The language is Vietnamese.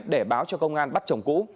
để báo cho công an bắt chồng cũ